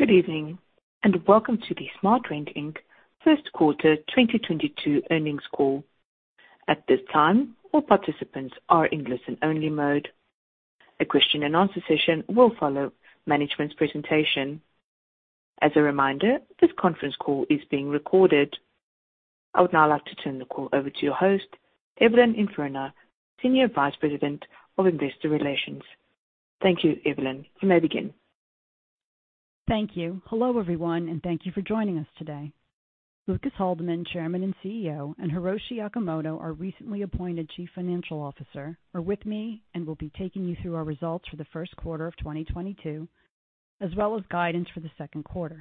Good evening, and welcome to the SmartRent, Inc. Q1 2022 earnings call. At this time, all participants are in listen-only mode. A question-and-answer session will follow management's presentation. As a reminder, this conference call is being recorded. I would now like to turn the call over to your host, Evelyn Infurna, Senior Vice President of Investor Relations. Thank you, Evelyn. You may begin. Thank you. Hello, everyone, and thank you for joining us today. Lucas Haldeman, Chairman and CEO, and Hiroshi Okamoto, our recently appointed Chief Financial Officer, are with me and will be taking you through our results for the Q1 of 2022, as well as guidance for the Q2.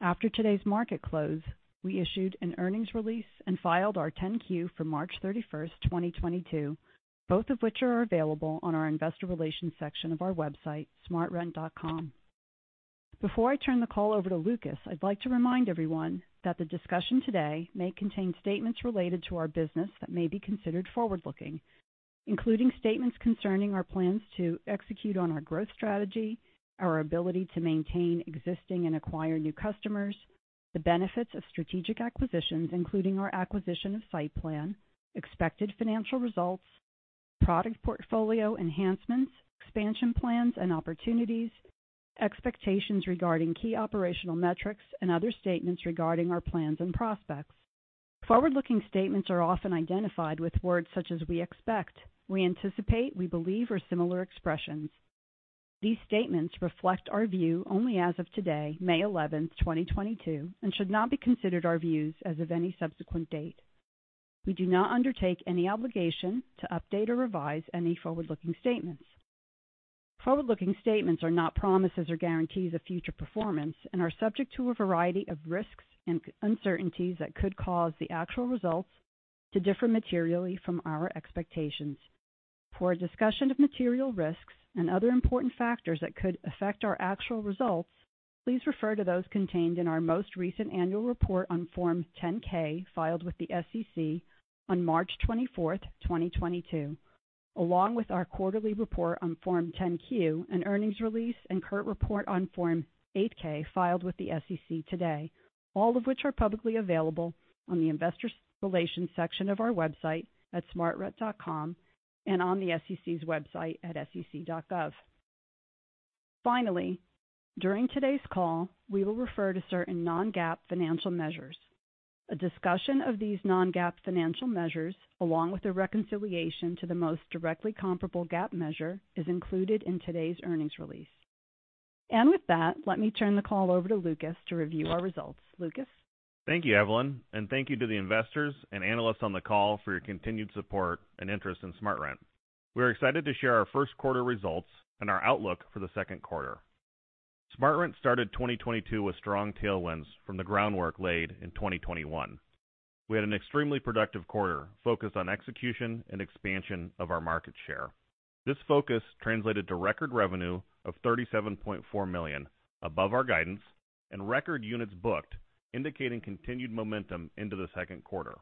After today's market close, we issued an earnings release and filed our 10-Q for March 31st, 2022, both of which are available on our investor relations section of our website, smartrent.com. Before I turn the call over to Lucas, I'd like to remind everyone that the discussion today may contain statements related to our business that may be considered forward-looking. Including statements concerning our plans to execute on our growth strategy, our ability to maintain existing and acquire new customers, the benefits of strategic acquisitions, including our acquisition of SightPlan, expected financial results, product portfolio enhancements, expansion plans and opportunities, expectations regarding key operational metrics, and other statements regarding our plans and prospects. Forward-looking statements are often identified with words such as "we expect," "we anticipate," "we believe," or similar expressions. These statements reflect our view only as of today, May 11th, 2022, and should not be considered our views as of any subsequent date. We do not undertake any obligation to update or revise any forward-looking statements. Forward-looking statements are not promises or guarantees of future performance and are subject to a variety of risks and uncertainties that could cause the actual results to differ materially from our expectations. For a discussion of material risks and other important factors that could affect our actual results, please refer to those contained in our most recent annual report on Form 10-K filed with the SEC on March 24th, 2022, along with our quarterly report on Form 10-Q, an earnings release, and current report on Form 8-K filed with the SEC today, all of which are publicly available on the investor relations section of our website at smartrent.com and on the SEC's website at sec.gov. Finally, during today's call, we will refer to certain non-GAAP financial measures. A discussion of these non-GAAP financial measures, along with a reconciliation to the most directly comparable GAAP measure, is included in today's earnings release. With that, let me turn the call over to Lucas to review our results. Lucas? Thank you, Evelyn, and thank you to the investors and analysts on the call for your continued support and interest in SmartRent. We're excited to share our Q1 results and our outlook for the Q2. SmartRent started 2022 with strong tailwinds from the groundwork laid in 2021. We had an extremely productive quarter focused on execution and expansion of our market share. This focus translated to record revenue of $37.4 million above our guidance and record units booked, indicating continued momentum into the Q2.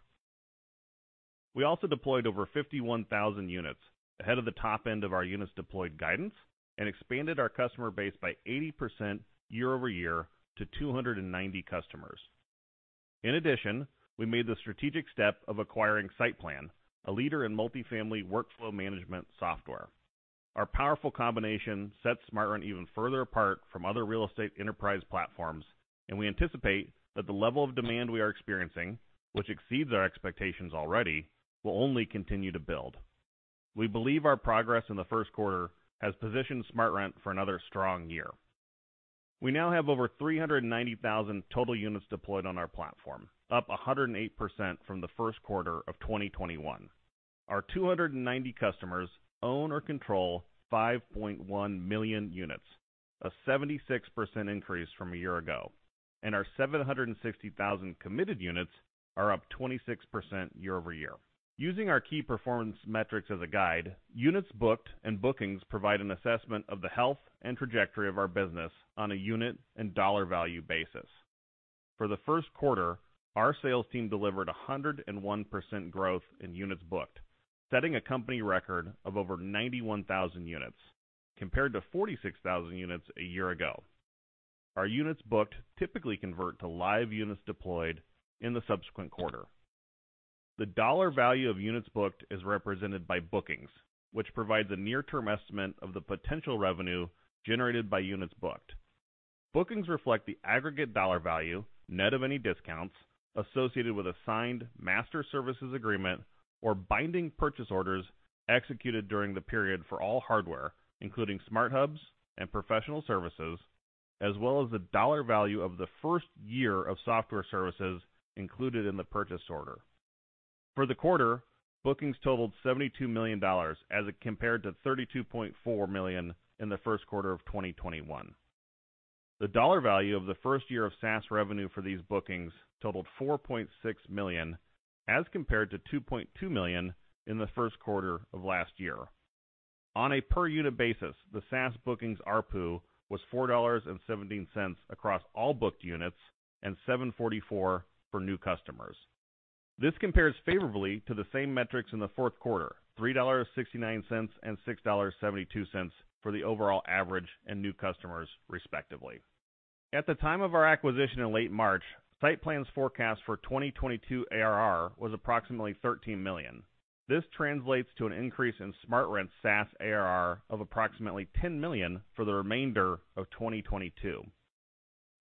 We also deployed over 51,000 units ahead of the top end of our units deployed guidance and expanded our customer base by 80% year-over-year to 290 customers. In addition, we made the strategic step of acquiring SightPlan, a leader in multifamily workflow management software. Our powerful combination sets SmartRent even further apart from other real estate enterprise platforms, and we anticipate that the level of demand we are experiencing, which exceeds our expectations already, will only continue to build. We believe our progress in the Q1 has positioned SmartRent for another strong year. We now have over 390,000 total units deployed on our platform, up 108% from the Q1 of 2021. Our 290 customers own or control 5.1 million units, a 76% increase from a year ago. Our 760,000 committed units are up 26% year over year. Using our key performance metrics as a guide, units booked and bookings provide an assessment of the health and trajectory of our business on a unit and dollar value basis. For the Q1, our sales team delivered 101% growth in units booked, setting a company record of over 91,000 units, compared to 46,000 units a year ago. Our units booked typically convert to live units deployed in the subsequent quarter. The dollar value of units booked is represented by bookings, which provides a near-term estimate of the potential revenue generated by units booked. Bookings reflect the aggregate dollar value, net of any discounts, associated with a signed master services agreement or binding purchase orders executed during the period for all hardware, including SmartHubs and professional services, as well as the dollar value of the first year of software services included in the purchase order. For the quarter, bookings totaled $72 million as it compared to $32.4 million in the Q1 of 2021. The dollar value of the first year of SaaS revenue for these bookings totaled $4.6 million, as compared to $2.2 million in the Q1 of last year. On a per unit basis, the SaaS bookings ARPU was $4.17 across all booked units and $7.44 for new customers. This compares favorably to the same metrics in the Q4 $3.69 and $6.72 for the overall average and new customers, respectively. At the time of our acquisition in late March, SightPlan's forecast for 2022 ARR was approximately $13 million. This translates to an increase in SmartRent SaaS ARR of approximately $10 million for the remainder of 2022.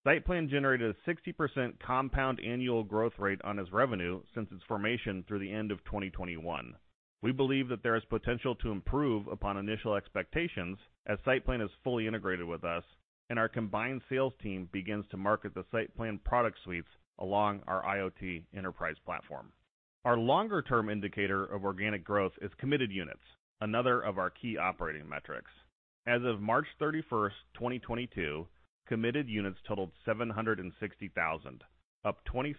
SightPlan generated a 60% compound annual growth rate on its revenue since its formation through the end of 2021. We believe that there is potential to improve upon initial expectations as SightPlan is fully integrated with us and our combined sales team begins to market the SightPlan product suites along our IoT enterprise platform. Our longer-term indicator of organic growth is committed units, another of our key operating metrics. As of March 31st, 2022, committed units totaled 760,000, up 26%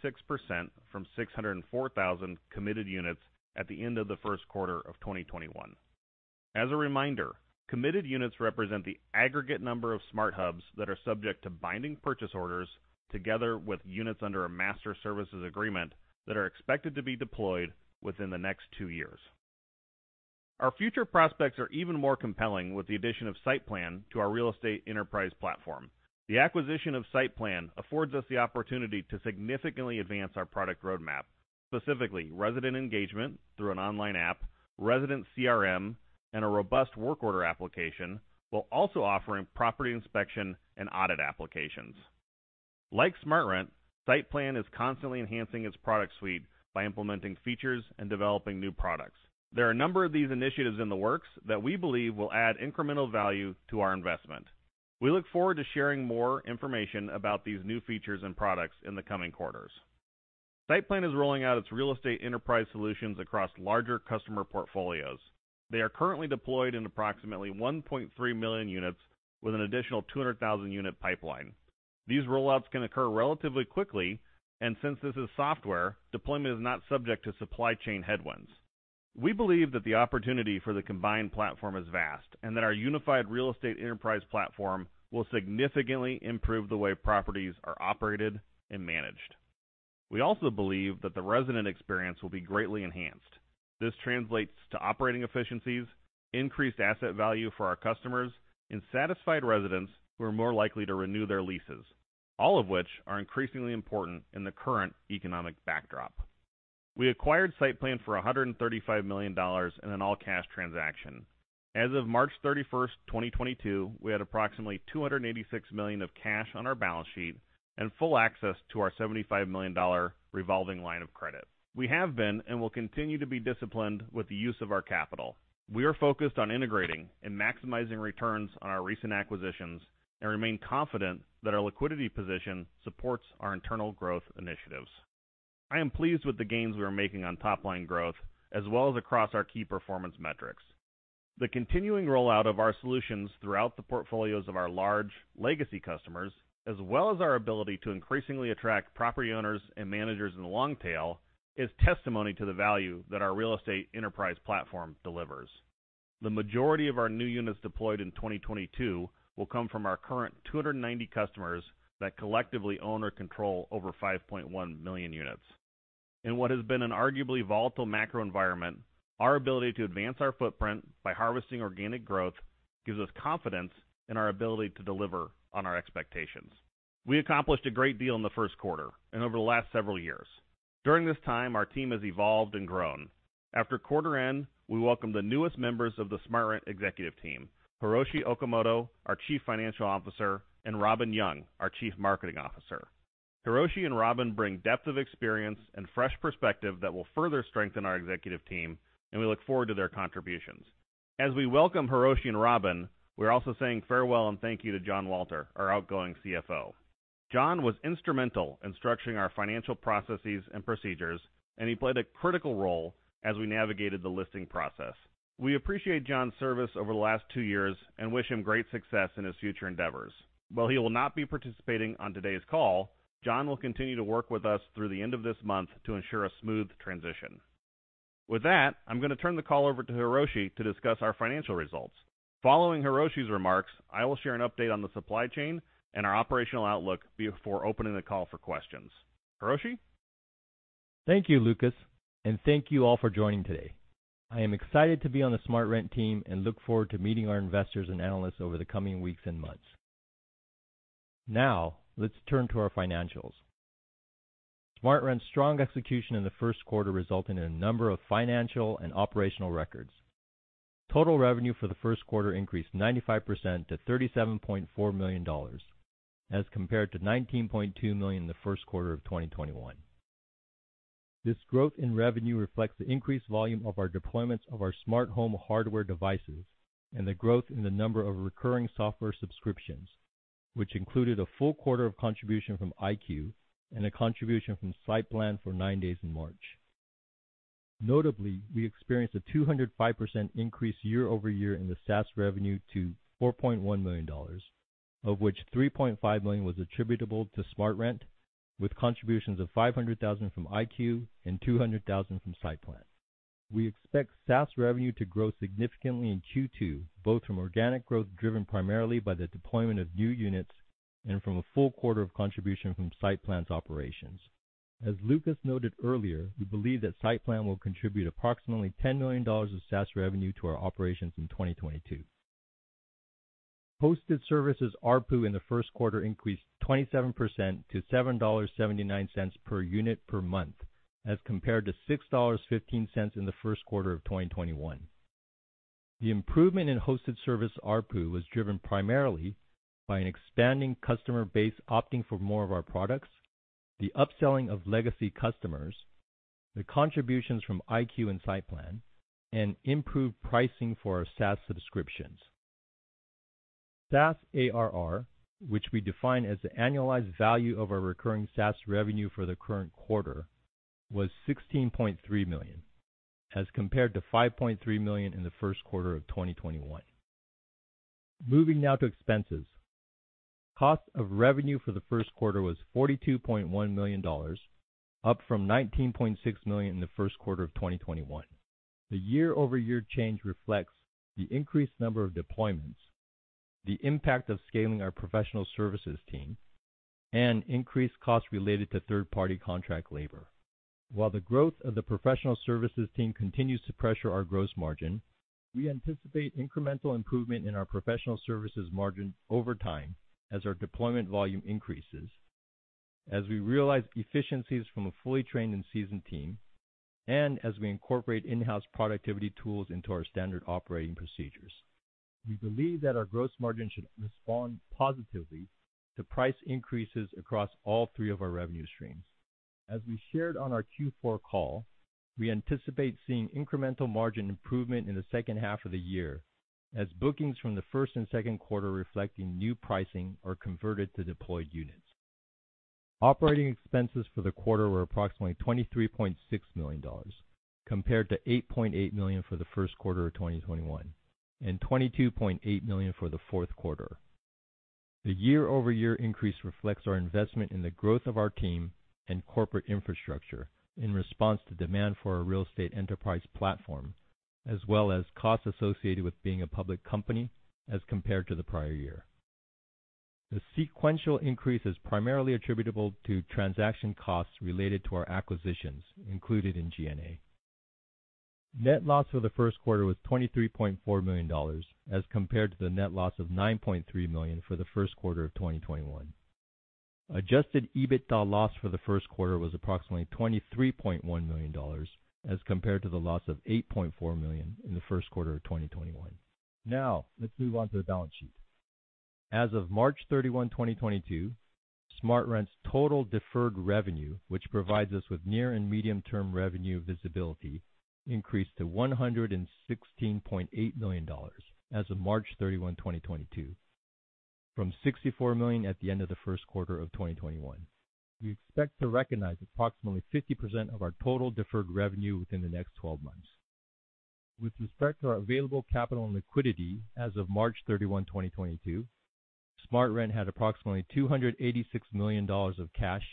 from 604,000 committed units at the end of the Q1 of 2021. As a reminder, committed units represent the aggregate number of SmartHubs that are subject to binding purchase orders together with units under a master services agreement that are expected to be deployed within the next two years. Our future prospects are even more compelling with the addition of SightPlan to our real estate enterprise platform. The acquisition of SightPlan affords us the opportunity to significantly advance our product roadmap, specifically resident engagement through an online app, resident CRM, and a robust work order application, while also offering property inspection and audit applications. Like SmartRent, SightPlan is constantly enhancing its product suite by implementing features and developing new products. There are a number of these initiatives in the works that we believe will add incremental value to our investment. We look forward to sharing more information about these new features and products in the coming quarters. SightPlan is rolling out its real estate enterprise solutions across larger customer portfolios. They are currently deployed in approximately 1.3 million units with an additional 200,000-unit pipeline. These rollouts can occur relatively quickly, and since this is software, deployment is not subject to supply chain headwinds. We believe that the opportunity for the combined platform is vast, and that our unified real estate enterprise platform will significantly improve the way properties are operated and managed. We also believe that the resident experience will be greatly enhanced. This translates to operating efficiencies, increased asset value for our customers, and satisfied residents who are more likely to renew their leases, all of which are increasingly important in the current economic backdrop. We acquired SightPlan for $135 million in an all-cash transaction. As of March 31st, 2022, we had approximately $286 million of cash on our balance sheet and full access to our $75 million revolving line of credit. We have been and will continue to be disciplined with the use of our capital. We are focused on integrating and maximizing returns on our recent acquisitions and remain confident that our liquidity position supports our internal growth initiatives. I am pleased with the gains we are making on top-line growth, as well as across our key performance metrics. The continuing rollout of our solutions throughout the portfolios of our large legacy customers, as well as our ability to increasingly attract property owners and managers in the long tail, is testimony to the value that our real estate enterprise platform delivers. The majority of our new units deployed in 2022 will come from our current 290 customers that collectively own or control over 5.1 million units. In what has been an arguably volatile macro environment, our ability to advance our footprint by harvesting organic growth gives us confidence in our ability to deliver on our expectations. We accomplished a great deal in the Q1 and over the last several years. During this time, our team has evolved and grown. After quarter end, we welcome the newest members of the SmartRent executive team, Hiroshi Okamoto, our Chief Financial Officer, and Robyn Young, our Chief Marketing Officer. Hiroshi and Robyn bring depth of experience and fresh perspective that will further strengthen our executive team, and we look forward to their contributions. As we welcome Hiroshi and Robyn, we are also saying farewell and thank you to Jonathan Wolter, our outgoing CFO. John was instrumental in structuring our financial processes and procedures, and he played a critical role as we navigated the listing process. We appreciate John's service over the last two years and wish him great success in his future endeavors. While he will not be participating on today's call, John will continue to work with us through the end of this month to ensure a smooth transition. With that, I'm gonna turn the call over to Hiroshi to discuss our financial results. Following Hiroshi's remarks, I will share an update on the supply chain and our operational outlook before opening the call for questions. Hiroshi. Thank you, Lucas, and thank you all for joining today. I am excited to be on the SmartRent team and look forward to meeting our investors and analysts over the coming weeks and months. Now, let's turn to our financials. SmartRent's strong execution in the Q2 resulted in a number of financial and operational records. Total revenue for the Q1 increased 95% to $37.4 million as compared to $19.2 million in the Q1 of 2021. This growth in revenue reflects the increased volume of our deployments of our smart home hardware devices and the growth in the number of recurring software subscriptions, which included a full quarter of contribution from iQuue and a contribution from SightPlan for nine days in March. Notably, we experienced a 205% increase year-over-year in the SaaS revenue to $4.1 million, of which $3.5 million was attributable to SmartRent, with contributions of $500,000 from iQuue and $200,000 from SightPlan. We expect SaaS revenue to grow significantly in Q2, both from organic growth driven primarily by the deployment of new units and from a full quarter of contribution from SightPlan's operations. As Lucas noted earlier, we believe that SightPlan will contribute approximately $10 million of SaaS revenue to our operations in 2022. Hosted services ARPU in the Q1 increased 27% to $7.79 per unit per month as compared to $6.15 in the Q1 of 2021. The improvement in hosted service ARPU was driven primarily by an expanding customer base opting for more of our products, the upselling of legacy customers, the contributions from iQuue and SightPlan, and improved pricing for our SaaS subscriptions. SaaS ARR, which we define as the annualized value of our recurring SaaS revenue for the current quarter, was $16.3 million, as compared to $5.3 million in the Q1 of 2021. Moving now to expenses. Cost of revenue for the Q1 was $42.1 million, up from $19.6 million in the Q1 of 2021. The year-over-year change reflects the increased number of deployments, the impact of scaling our professional services team, and increased costs related to third-party contract labor. While the growth of the professional services team continues to pressure our gross margin, we anticipate incremental improvement in our professional services margin over time as our deployment volume increases, as we realize efficiencies from a fully trained and seasoned team, and as we incorporate in-house productivity tools into our standard operating procedures. We believe that our gross margin should respond positively to price increases across all three of our revenue streams. As we shared on our Q4 call, we anticipate seeing incremental margin improvement in the H2 of the year as bookings from the first and Q2 reflecting new pricing are converted to deployed units. Operating expenses for the quarter were approximately $23.6 million, compared to $8.8 million for the Q1 of 2021, and $22.8 million for the Q4. The year-over-year increase reflects our investment in the growth of our team and corporate infrastructure in response to demand for our real estate enterprise platform, as well as costs associated with being a public company as compared to the prior year. The sequential increase is primarily attributable to transaction costs related to our acquisitions included in G&A. Net loss for the Q1 was $23.4 million, as compared to the net loss of $9.3 million for the Q1 of 2021. Adjusted EBITDA loss for the Q1 was approximately $23.1 million, as compared to the loss of $8.4 million in the Q1 of 2021. Now let's move on to the balance sheet. As of March 31, 2022, SmartRent's total deferred revenue, which provides us with near and medium-term revenue visibility, increased to $116.8 million as of March 31, 2022, from $64 million at the end of theQ1 of 2021. We expect to recognize approximately 50% of our total deferred revenue within the next 12 months. With respect to our available capital and liquidity as of March 31, 2022, SmartRent had approximately $286 million of cash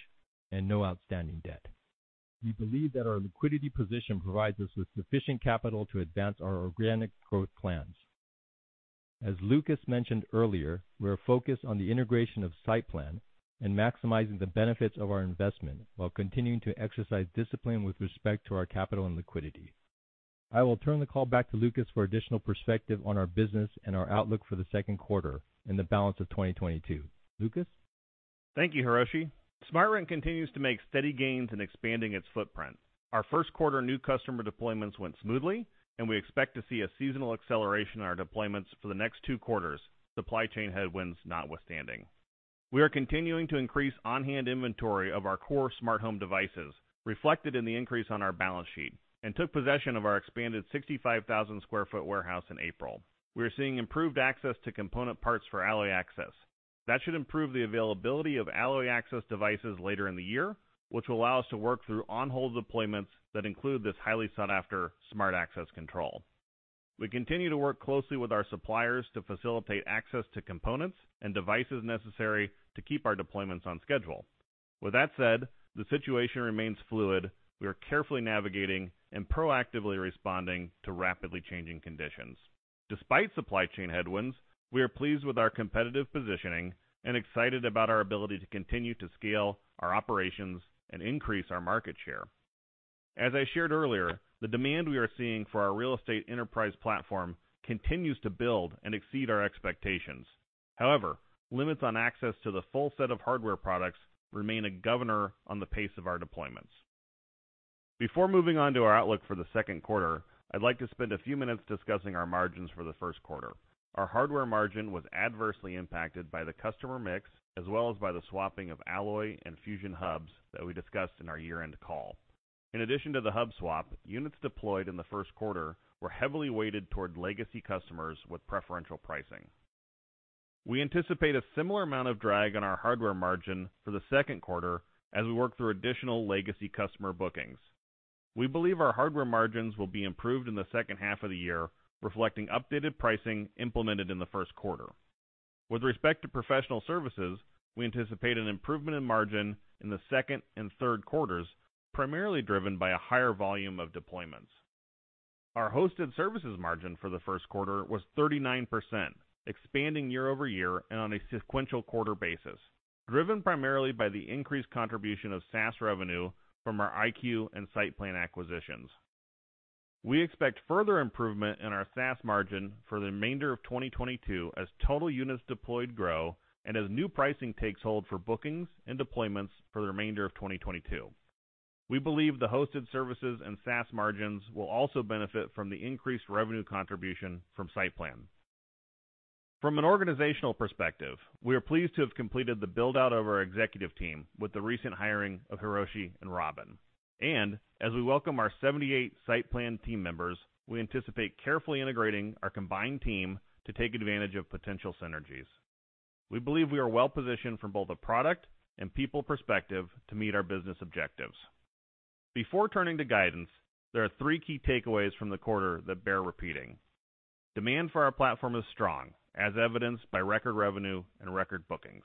and no outstanding debt. We believe that our liquidity position provides us with sufficient capital to advance our organic growth plans. As Lucas mentioned earlier, we are focused on the integration of SightPlan and maximizing the benefits of our investment while continuing to exercise discipline with respect to our capital and liquidity. I will turn the call back to Lucas for additional perspective on our business and our outlook for the Q2 and the balance of 2022. Lucas? Thank you, Hiroshi. SmartRent continues to make steady gains in expanding its footprint. Our Q1 new customer deployments went smoothly and we expect to see a seasonal acceleration in our deployments for the next two quarters, supply chain headwinds notwithstanding. We are continuing to increase on-hand inventory of our core smart home devices reflected in the increase on our balance sheet and took possession of our expanded 65,000 sq ft warehouse in April. We are seeing improved access to component parts for Alloy Access. That should improve the availability of Alloy Access devices later in the year, which will allow us to work through on-hold deployments that include this highly sought after smart access control. We continue to work closely with our suppliers to facilitate access to components and devices necessary to keep our deployments on schedule. With that said, the situation remains fluid. We are carefully navigating and proactively responding to rapidly changing conditions. Despite supply chain headwinds, we are pleased with our competitive positioning and excited about our ability to continue to scale our operations and increase our market share. As I shared earlier, the demand we are seeing for our real estate enterprise platform continues to build and exceed our expectations. However, limits on access to the full set of hardware products remain a governor on the pace of our deployments. Before moving on to our outlook for the Q2, I'd like to spend a few minutes discussing our margins for the Q1. Our hardware margin was adversely impacted by the customer mix as well as by the swapping of Alloy and Fusion hubs that we discussed in our year-end call. In addition to the hub swap, units deployed in the Q1 were heavily weighted toward legacy customers with preferential pricing. We anticipate a similar amount of drag on our hardware margin for the Q2 as we work through additional legacy customer bookings. We believe our hardware margins will be improved in the H2 of the year, reflecting updated pricing implemented in the Q1. With respect to professional services, we anticipate an improvement in margin in the second and Q3, primarily driven by a higher volume of deployments. Our hosted services margin for the Q1 was 39%, expanding year-over-year and on a sequential quarter basis, driven primarily by the increased contribution of SaaS revenue from our iQuue and SightPlan acquisitions. We expect further improvement in our SaaS margin for the remainder of 2022 as total units deployed grow and as new pricing takes hold for bookings and deployments for the remainder of 2022. We believe the hosted services and SaaS margins will also benefit from the increased revenue contribution from SightPlan. From an organizational perspective, we are pleased to have completed the build-out of our executive team with the recent hiring of Hiroshi and Robyn. As we welcome our 78 SightPlan team members, we anticipate carefully integrating our combined team to take advantage of potential synergies. We believe we are well positioned from both a product and people perspective to meet our business objectives. Before turning to guidance, there are three key takeaways from the quarter that bear repeating. Demand for our platform is strong, as evidenced by record revenue and record bookings.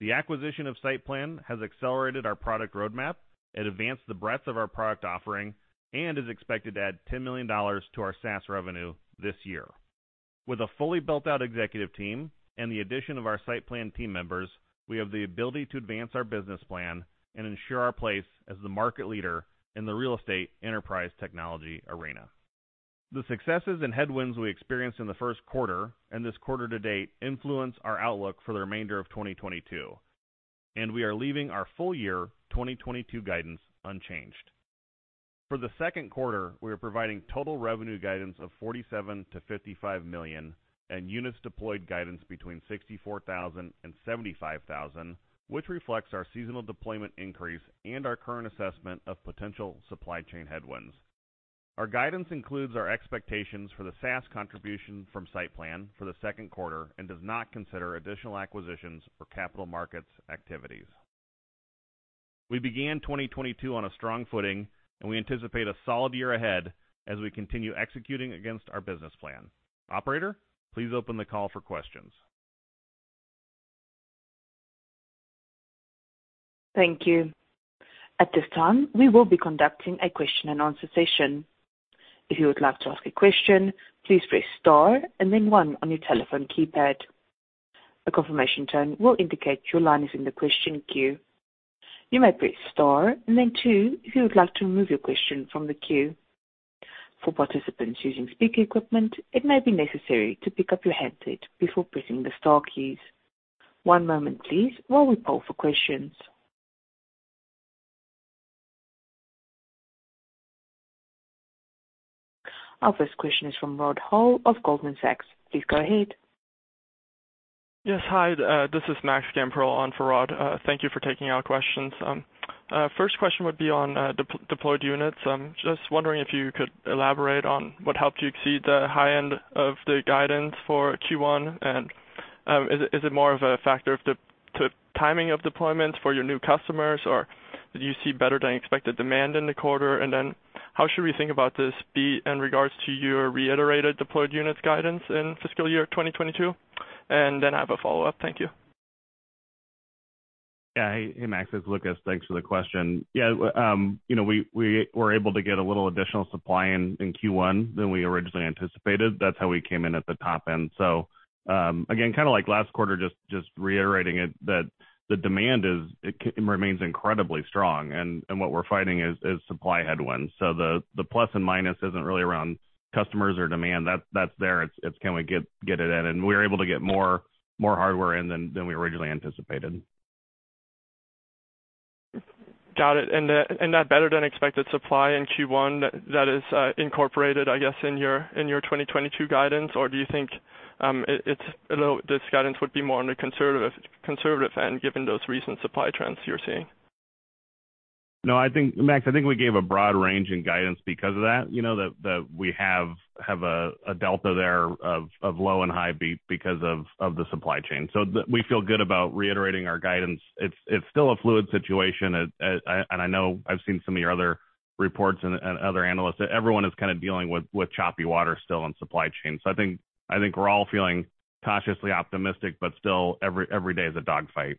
The acquisition of SightPlan has accelerated our product roadmap. It advanced the breadth of our product offering and is expected to add $10 million to our SaaS revenue this year. With a fully built-out executive team and the addition of our SightPlan team members, we have the ability to advance our business plan and ensure our place as the market leader in the real estate enterprise technology arena. The successes and headwinds we experienced in the Q1 and this quarter to date influence our outlook for the remainder of 2022, and we are leaving our full year 2022 guidance unchanged. For the Q2, we are providing total revenue guidance of $47 million-$55 million and units deployed guidance between 64,000 and 75,000, which reflects our seasonal deployment increase and our current assessment of potential supply chain headwinds. Our guidance includes our expectations for the SaaS contribution from SightPlan for the Q2 and does not consider additional acquisitions for capital markets activities. We began 2022 on a strong footing, and we anticipate a solid year ahead as we continue executing against our business plan. Operator, please open the call for questions. Thank you. At this time, we will be conducting a question and answer session. If you would like to ask a question, please press star and then one on your telephone keypad. A confirmation tone will indicate your line is in the question queue. You may press star and then two if you would like to remove your question from the queue. For participants using speaker equipment, it may be necessary to pick up your headset before pressing the star keys. One moment please while we poll for questions. Our first question is from Rod Hall of Goldman Sachs. Please go ahead. Yes. Hi, this is Max Gamperl on for Rod. Thank you for taking our questions. First question would be on deployed units. Just wondering if you could elaborate on what helped you exceed the high end of the guidance for Q1. Is it more of a factor of the timing of deployments for your new customers, or did you see better than expected demand in the quarter? How should we think about this in regards to your reiterated deployed units guidance in fiscal year 2022? I have a follow-up. Thank you. Yeah. Hey, Max, it's Lucas. Thanks for the question. Yeah, you know, we were able to get a little additional supply in Q1 than we originally anticipated. That's how we came in at the top end. Again, kind of like last quarter, just reiterating it, that the demand remains incredibly strong. What we're fighting is supply headwinds. The plus and minus isn't really around customers or demand. That's there. It's can we get it in? We were able to get more hardware in than we originally anticipated. Got it. That better than expected supply in Q1 that is incorporated, I guess, in your 2022 guidance. Or do you think it's a little. This guidance would be more on the conservative end given those recent supply trends you're seeing? No, I think, Max, I think we gave a broad range in guidance because of that. You know, that we have a delta there of low and high because of the supply chain. So we feel good about reiterating our guidance. It's still a fluid situation. I know I've seen some of your other reports and other analysts that everyone is kind of dealing with choppy water still in supply chain. So I think we're all feeling cautiously optimistic, but still every day is a dog fight.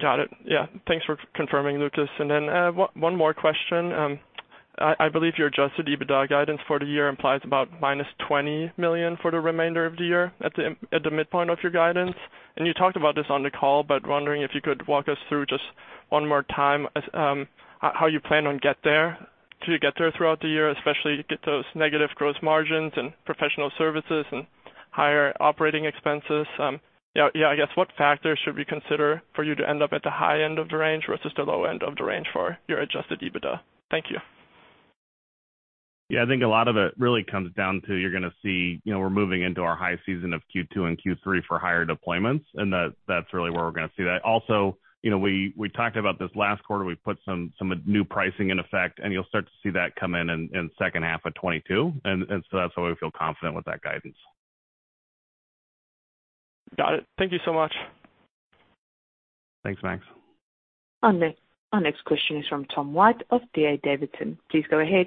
Got it. Yeah. Thanks for confirming, Lucas. Then one more question. I believe your adjusted EBITDA guidance for the year implies about -$20 million for the remainder of the year at the midpoint of your guidance. You talked about this on the call, but wondering if you could walk us through just one more time how you plan on getting there throughout the year, especially getting those negative gross margins and professional services and higher operating expenses. Yeah, I guess what factors should we consider for you to end up at the high end of the range versus the low end of the range for your adjusted EBITDA? Thank you. Yeah. I think a lot of it really comes down to you're gonna see, you know, we're moving into our high season of Q2 and Q3 for higher deployments, and that's really where we're gonna see that. Also, you know, we talked about this last quarter. We put some new pricing in effect, and you'll start to see that come in H2 of 2022. That's why we feel confident with that guidance. Got it. Thank you so much. Thanks, Max. Our next question is from Tom White of D.A. Davidson. Please go ahead.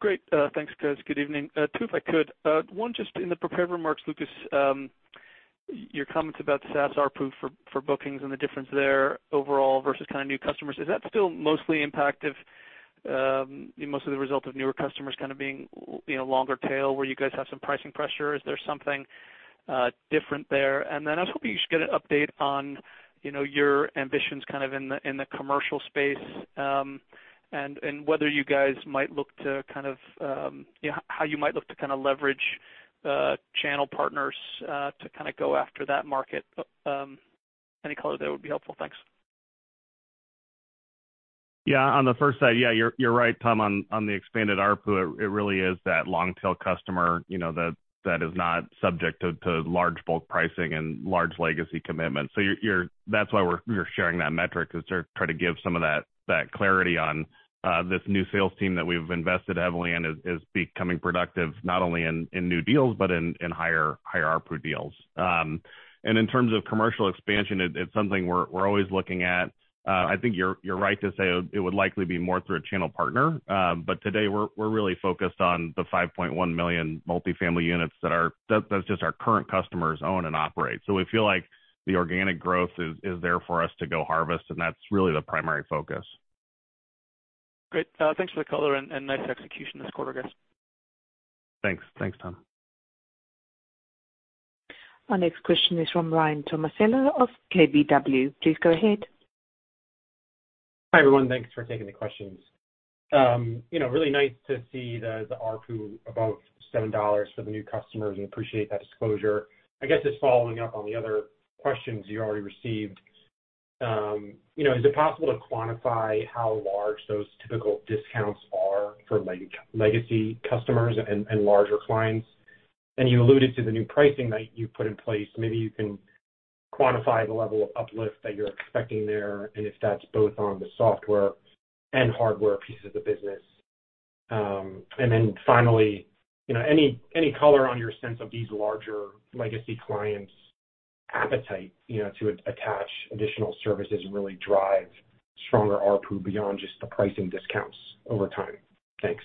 Great. Thanks guys. Good evening. Two, if I could, 1 just in the prepared remarks, Lucas. Your comments about SaaS ARPU for bookings and the difference there overall versus kinda new customers. Is that still mostly impact of mostly the result of newer customers kinda being, you know, longer tail where you guys have some pricing pressure? Is there something different there? Then I was hoping you could get an update on, you know, your ambitions kind of in the commercial space, and whether you guys might look to kind of how you might look to kinda leverage channel partners to kinda go after that market. Any color there would be helpful. Thanks. Yeah. On the first side, yeah, you're right, Tom, on the expanded ARPU. It really is that long tail customer, you know, that is not subject to large bulk pricing and large legacy commitments. That's why we're sharing that metric to sort of try to give some of that clarity on this new sales team that we've invested heavily in is becoming productive not only in new deals, but in higher ARPU deals. In terms of commercial expansion, it's something we're always looking at. I think you're right to say it would likely be more through a channel partner. Today we're really focused on the 5.1 million multifamily units that just our current customers own and operate. We feel like the organic growth is there for us to go harvest, and that's really the primary focus. Great. Thanks for the color and nice execution this quarter, guys. Thanks. Thanks, Tom. Our next question is from Ryan Tomasello of KBW. Please go ahead. Hi, everyone. Thanks for taking the questions. You know, really nice to see the ARPU above $7 for the new customers and appreciate that disclosure. I guess just following up on the other questions you already received. You know, is it possible to quantify how large those typical discounts are for legacy customers and larger clients? You alluded to the new pricing that you put in place. Maybe you can quantify the level of uplift that you're expecting there and if that's both on the software and hardware pieces of business. Then finally, you know, any color on your sense of these larger legacy clients' appetite, you know, to attach additional services and really drive stronger ARPU beyond just the pricing discounts over time? Thanks.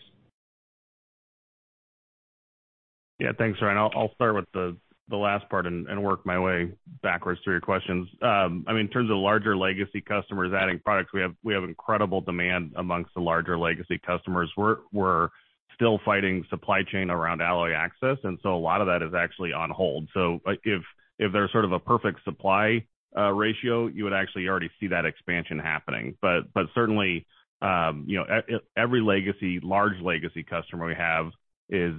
Yeah. Thanks, Ryan. I'll start with the last part and work my way backwards through your questions. I mean, in terms of larger legacy customers adding products, we have incredible demand among the larger legacy customers. We're still fighting supply chain around Alloy Access, and so a lot of that is actually on hold. If there's sort of a perfect supply ratio, you would actually already see that expansion happening. But certainly, you know, every large legacy customer we have is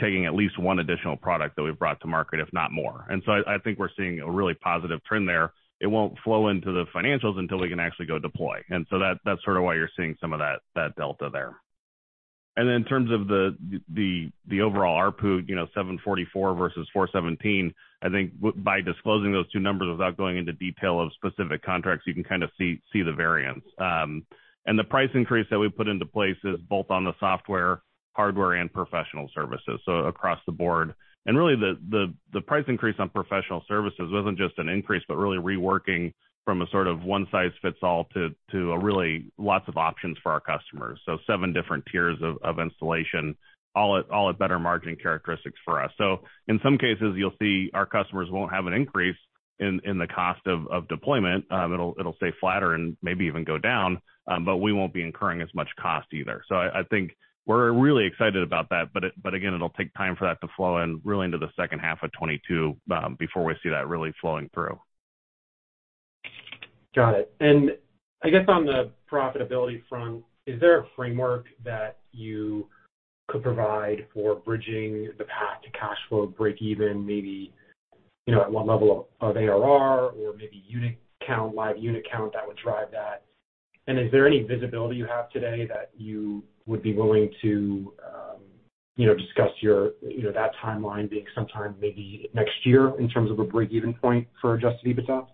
taking at least one additional product that we've brought to market, if not more. I think we're seeing a really positive trend there. It won't flow into the financials until we can actually go deploy. That's sort of why you're seeing some of that delta there. In terms of the overall ARPU, you know, $744 versus $417, I think by disclosing those two numbers without going into detail of specific contracts, you can kind of see the variance. The price increase that we put into place is both on the software, hardware and professional services, so across the board. Really the price increase on professional services wasn't just an increase, but really reworking from a sort of one size fits all to a really lots of options for our customers. Seven different tiers of installation, all at better margin characteristics for us. In some cases you'll see our customers won't have an increase in the cost of deployment. It'll stay flatter and maybe even go down, but we won't be incurring as much cost either. I think we're really excited about that. Again, it'll take time for that to flow in really into the H2 of 2022 before we see that really flowing through. Got it. I guess on the profitability front, is there a framework that you could provide for bridging the path to cash flow breakeven, maybe, you know, at what level of ARR or maybe unit count, live unit count that would drive that? Is there any visibility you have today that you would be willing to, you know, discuss your, you know, that timeline being sometime maybe next year in terms of a breakeven point for Adjusted EBITDA?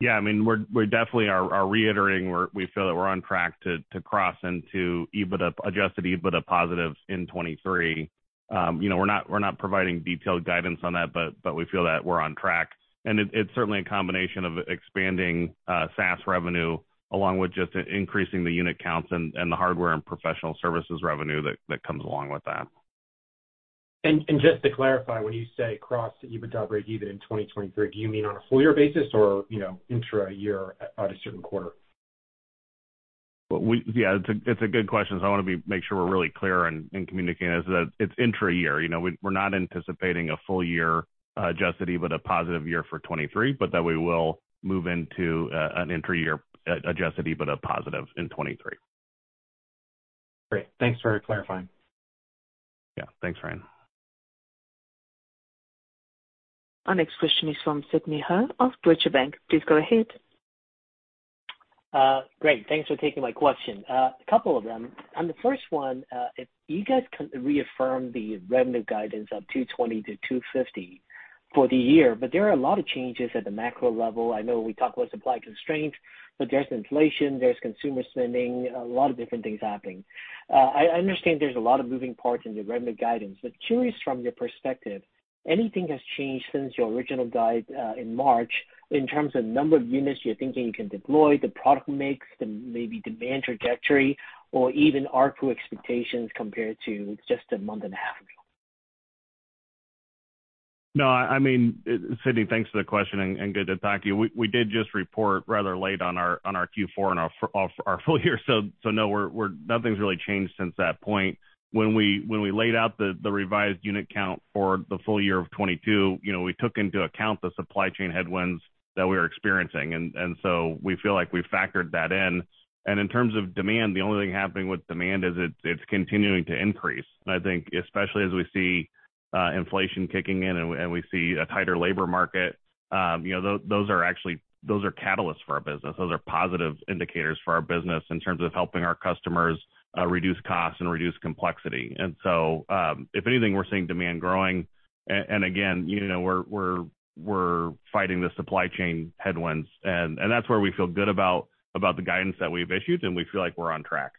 Yeah, I mean, we're definitely reiterating. We feel that we're on track to cross into adjusted EBITDA positive in 2023. You know, we're not providing detailed guidance on that, but we feel that we're on track. It's certainly a combination of expanding SaaS revenue along with just increasing the unit counts and the hardware and professional services revenue that comes along with that. Just to clarify, when you say cross EBITDA breakeven in 2023, do you mean on a full year basis or, you know, intra year at a certain quarter? Yeah, it's a good question, so I wanna make sure we're really clear in communicating that it's intra-year. You know, we're not anticipating a full year adjusted EBITDA positive year for 2023, but that we will move into an intra-year adjusted EBITDA positive in 2023. Great. Thanks for clarifying. Yeah. Thanks, Ryan. Our next question is from Sidney Ho of Deutsche Bank. Please go ahead. Great. Thanks for taking my question. A couple of them. On the first one, if you guys can reaffirm the revenue guidance of $220-$250 for the year, but there are a lot of changes at the macro level. I know we talked about supply constraints, but there's inflation, there's consumer spending, a lot of different things happening. I understand there's a lot of moving parts in the revenue guidance, but curious from your perspective, anything has changed since your original guide, in March in terms of number of units you're thinking you can deploy, the product mix, the maybe demand trajectory or even ARPU expectations compared to just a month and a half ago? No, I mean, Sidney, thanks for the question and good to talk to you. We did just report rather late on our Q4 and FY of our full year, so no, nothing's really changed since that point. When we laid out the revised unit count for the full year of 2022, you know, we took into account the supply chain headwinds that we were experiencing. So we feel like we factored that in. In terms of demand, the only thing happening with demand is it's continuing to increase. I think especially as we see inflation kicking in and we see a tighter labor market, you know, those are actually catalysts for our business. Those are positive indicators for our business in terms of helping our customers reduce costs and reduce complexity. If anything, we're seeing demand growing. Again, you know, we're fighting the supply chain headwinds. That's where we feel good about the guidance that we've issued, and we feel like we're on track.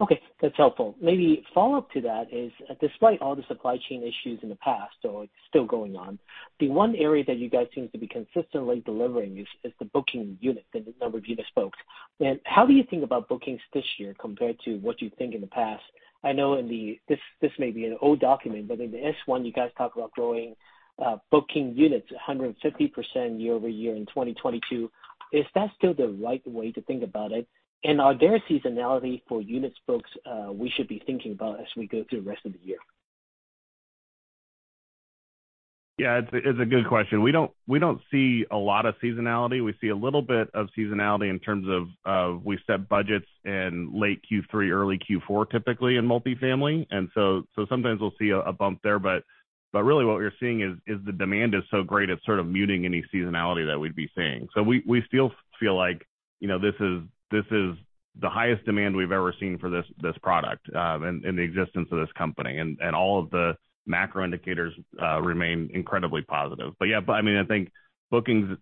Okay, that's helpful. Maybe a follow-up to that is, despite all the supply chain issues in the past or it's still going on, the one area that you guys seem to be consistently delivering is the booking units and the number of units booked. How do you think about bookings this year compared to what you think in the past? I know this may be an old document, but in the S-1, you guys talk about growing booking units 150% year over year in 2022. Is that still the right way to think about it? Are there seasonality for units booked we should be thinking about as we go through the rest of the year? Yeah, it's a good question. We don't see a lot of seasonality. We see a little bit of seasonality in terms of we set budgets in late Q3, early Q4 typically in multifamily. Sometimes we'll see a bump there. Really what we're seeing is the demand is so great it's sort of muting any seasonality that we'd be seeing. We still feel like, you know, this is the highest demand we've ever seen for this product in the existence of this company. All of the macro indicators remain incredibly positive. Yeah, I mean, I think bookings.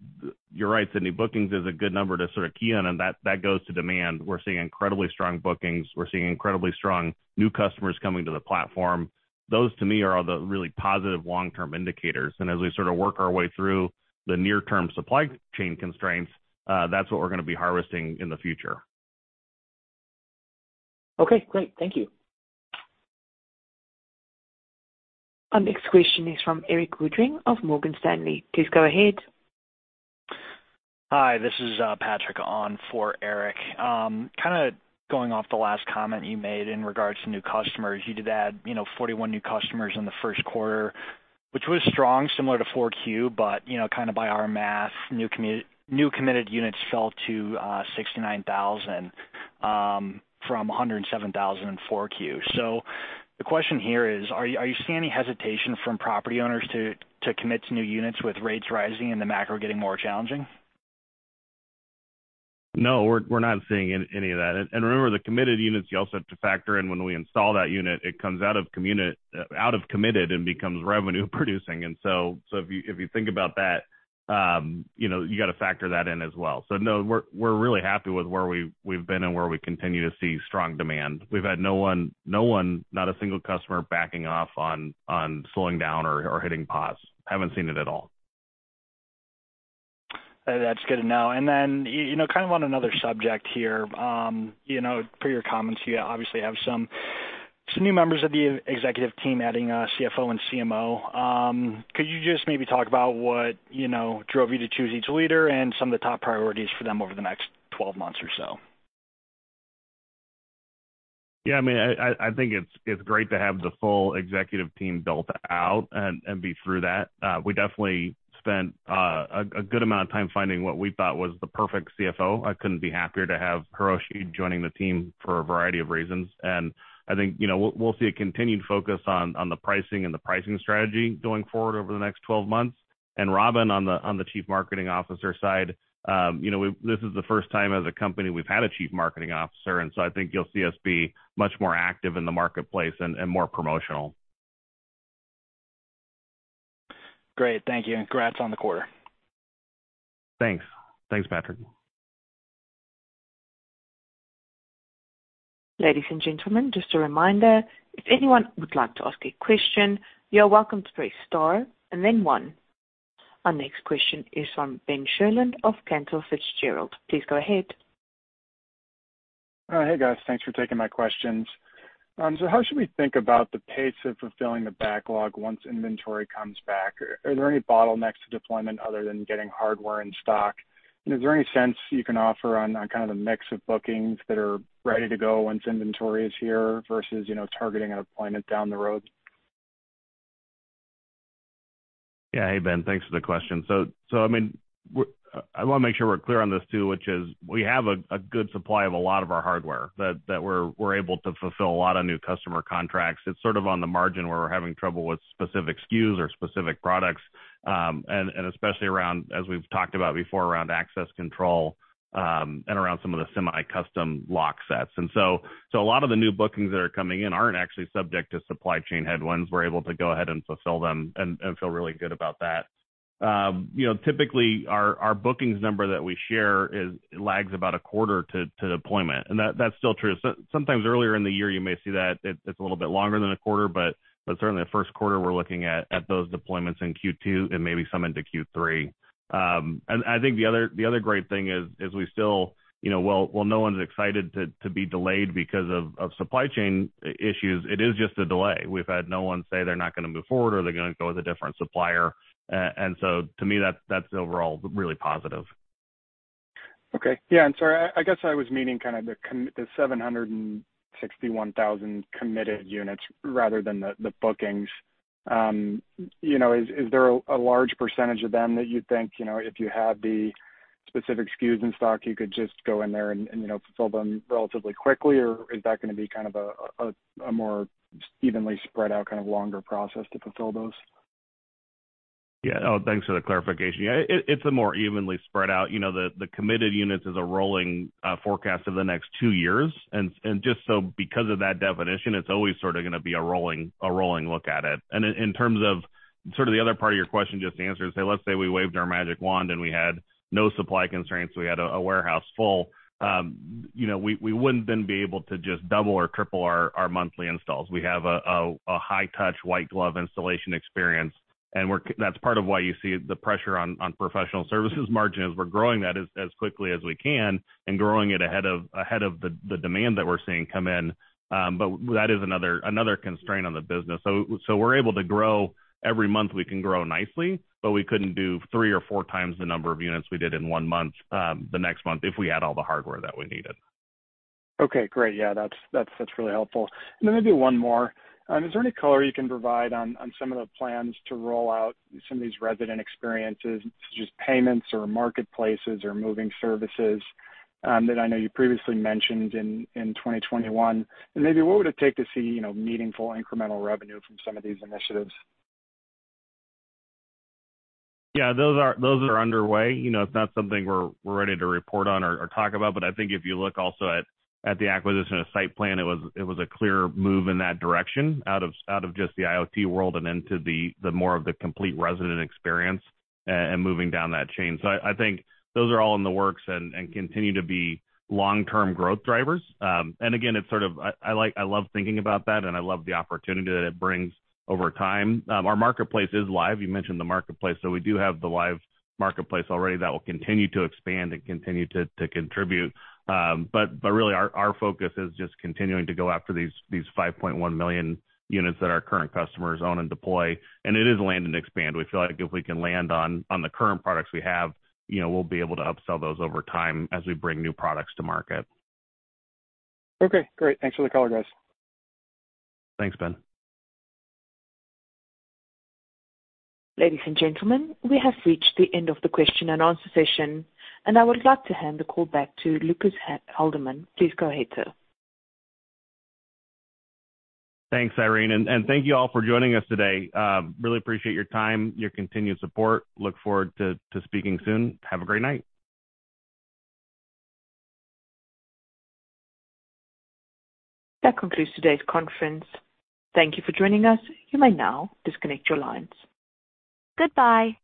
You're right, Sidney. Bookings is a good number to sort of key in, and that goes to demand. We're seeing incredibly strong bookings. We're seeing incredibly strong new customers coming to the platform. Those to me are the really positive long-term indicators. As we sort of work our way through the near-term supply chain constraints, that's what we're gonna be harvesting in the future. Okay, great. Thank you. Our next question is from Erik Woodring of Morgan Stanley. Please go ahead. Hi, this is Patrick on for Erik. Kinda going off the last comment you made in regards to new customers. You did add, you know, 41 new customers in the Q1, which was strong, similar to Q4. You know, kind of by our math, new committed units fell to 69,000 from 107,000 in Q4. The question here is, are you seeing any hesitation from property owners to commit to new units with rates rising and the macro getting more challenging? No, we're not seeing any of that. Remember, the committed units you also have to factor in when we install that unit, it comes out of committed and becomes revenue producing. If you think about that, you know, you got to factor that in as well. No, we're really happy with where we've been and where we continue to see strong demand. We've had no one, not a single customer backing off on slowing down or hitting pause. Haven't seen it at all. That's good to know. Then, you know, kind of on another subject here, you know, per your comments, you obviously have some new members of the executive team adding a CFO and CMO. Could you just maybe talk about what, you know, drove you to choose each leader and some of the top priorities for them over the next 12 months or so? Yeah, I mean, I think it's great to have the full executive team built out and be through that. We definitely spent a good amount of time finding what we thought was the perfect CFO. I couldn't be happier to have Hiroshi joining the team for a variety of reasons. I think, you know, we'll see a continued focus on the pricing and the pricing strategy going forward over the next 12 months. Robyn, on the chief marketing officer side, you know, this is the first time as a company we've had a chief marketing officer, and so I think you'll see us be much more active in the marketplace and more promotional. Great. Thank you, and congrats on the quarter. Thanks. Thanks, Patrick. Ladies and gentlemen, just a reminder, if anyone would like to ask a question, you're welcome to press star and then one. Our next question is from Ben Sherlund of Cantor Fitzgerald. Please go ahead. Hey, guys. Thanks for taking my questions. How should we think about the pace of fulfilling the backlog once inventory comes back? Are there any bottlenecks to deployment other than getting hardware in stock? Is there any sense you can offer on kind of the mix of bookings that are ready to go once inventory is here versus, you know, targeting a deployment down the road? Yeah. Hey, Ben. Thanks for the question. I mean, I wanna make sure we're clear on this too, which is we have a good supply of a lot of our hardware that we're able to fulfill a lot of new customer contracts. It's sort of on the margin where we're having trouble with specific SKUs or specific products, and especially around, as we've talked about before, around access control, and around some of the semi-custom lock sets. A lot of the new bookings that are coming in aren't actually subject to supply chain headwinds. We're able to go ahead and fulfill them and feel really good about that. You know, typically our bookings number that we share lags about a quarter to deployment, and that's still true. Sometimes earlier in the year, you may see that it's a little bit longer than a quarter, but certainly the Q1 we're looking at those deployments in Q2 and maybe some into Q3. I think the other great thing is we still, you know, while no one's excited to be delayed because of supply chain issues, it is just a delay. We've had no one say they're not gonna move forward or they're gonna go with a different supplier. To me, that's overall really positive. Okay. Yeah. Sorry, I guess I was meaning kind of the 761,000 committed units rather than the bookings. You know, is there a large percentage of them that you'd think, you know, if you had the specific SKUs in stock, you could just go in there and, you know, fulfill them relatively quickly or is that gonna be kind of a more evenly spread out kind of longer process to fulfill those? Yeah. Oh, thanks for the clarification. Yeah, it's a more evenly spread out. You know, the committed units is a rolling forecast of the next two years. Just so because of that definition, it's always sort of gonna be a rolling look at it. In terms of sort of the other part of your question just to answer, say, let's say we waved our magic wand and we had no supply constraints, we had a warehouse full, you know, we wouldn't then be able to just double or triple our monthly installs. We have a high touch white glove installation experience, and that's part of why you see the pressure on professional services margin as we're growing that as quickly as we can and growing it ahead of the demand that we're seeing come in. But that is another constraint on the business. We're able to grow. Every month we can grow nicely, but we couldn't do three or four times the number of units we did in one month, the next month if we had all the hardware that we needed. Okay, great. Yeah, that's really helpful. Maybe one more. Is there any color you can provide on some of the plans to roll out some of these resident experiences, such as payments or marketplaces or moving services, that I know you previously mentioned in 2021? Maybe what would it take to see, you know, meaningful incremental revenue from some of these initiatives? Yeah. Those are underway. You know, it's not something we're ready to report on or talk about, but I think if you look also at the acquisition of SightPlan, it was a clear move in that direction out of just the IoT world and into the more of the complete resident experience and moving down that chain. I think those are all in the works and continue to be long-term growth drivers. Again, it's sort of I love thinking about that and I love the opportunity that it brings over time. Our marketplace is live. You mentioned the marketplace, so we do have the live marketplace already that will continue to expand and continue to contribute. But really our focus is just continuing to go after these 5.1 million units that our current customers own and deploy. It is land and expand. We feel like if we can land on the current products we have, you know, we'll be able to upsell those over time as we bring new products to market. Okay, great. Thanks for the color, guys. Thanks, Ben. Ladies and gentlemen, we have reached the end of the question and answer session, and I would like to hand the call back to Lucas Haldeman. Please go ahead, sir. Thanks, Irene, and thank you all for joining us today. Really appreciate your time, your continued support. Look forward to speaking soon. Have a great night. That concludes today's conference. Thank you for joining us. You may now disconnect your lines. Goodbye.